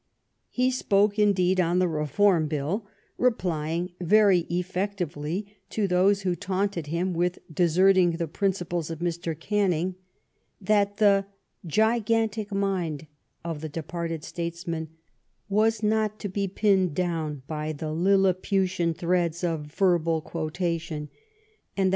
He spoke^ indeed, on the Reform Bill, replying very effectively to those who taunted him with deserting the principles of Mr. Canning, that the "gigantic mind'' of the departed statesman "was not to be pinned down by the Lilliputian threads of verbal quotation,'' and that BELaiAN INDEPENDENCE.